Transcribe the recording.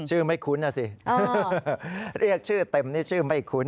ไม่คุ้นนะสิเรียกชื่อเต็มนี่ชื่อไม่คุ้น